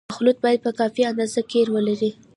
مخلوط باید په کافي اندازه قیر ولري